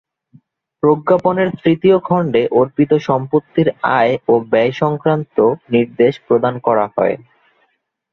প্রজ্ঞাপনের তৃতীয় খন্ডে অর্পিত সম্পত্তির আয় ও ব্যয়সংক্রান্ত নির্দেশ প্রদান করা হয়।